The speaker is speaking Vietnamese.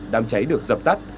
đám cháy được dập tắt